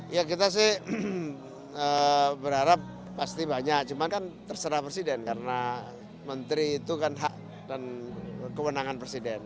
ya kita sih berharap pasti banyak cuman kan terserah presiden karena menteri itu kan hak dan kewenangan presiden